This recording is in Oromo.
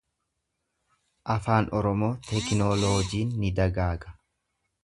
Afaan Oromoo tekinooloojiin ni dagaaga